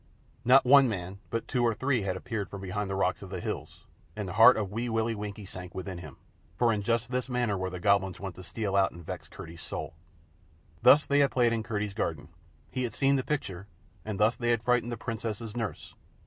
Not one man but two or three had appeared from behind the rocks of the hills, and the heart of Wee Willie Winkie sank within him, for just in this manner were the Goblins wont to steal out and vex Curdie's soul. Thus had they played in Curdie's garden, he had seen the picture, and thus had they frightened the Princess's nurse.